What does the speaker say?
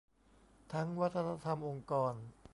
ทั้งวัฒนธรรมองค์กร